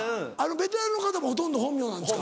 ベテランの方ほとんど本名なんですか？